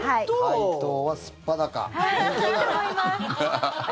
解凍は素っ裸。